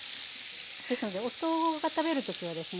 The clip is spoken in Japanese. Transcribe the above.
ですので夫が食べる時はですね